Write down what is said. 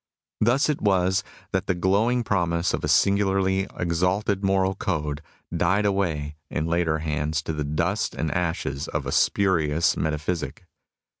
Thus it was that the glowing promise of a singularly exalted moral code died away in later hands to the dust and ashes of a spurious metaphysic.